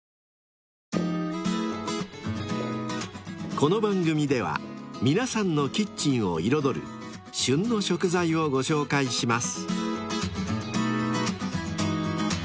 ［この番組では皆さんのキッチンを彩る「旬の食材」をご紹介します］